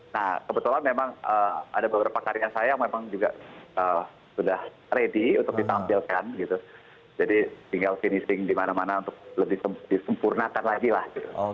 nah kebetulan memang ada beberapa karya saya yang memang juga sudah ready untuk ditampilkan gitu jadi tinggal finishing di mana mana untuk lebih disempurnakan lagi lah gitu